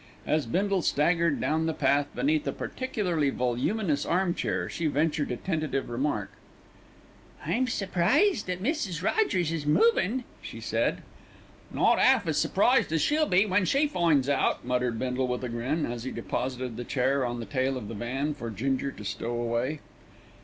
As Bindle staggered down the path beneath a particularly voluminous armchair she ventured a tentative remark. "I'm surprised that Mrs. Rogers is movin'," she said. "Not 'alf as surprised as she'll be when she finds out," muttered Bindle with a grin, as he deposited the chair on the tail of the van for Ginger to stow away.